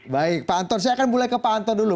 baik pak anton saya akan mulai ke pak anto dulu